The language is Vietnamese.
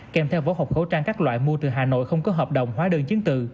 kèm theo vỏ hộp khẩu trang các loại mua từ hà nội không có hợp đồng hóa đơn chứng từ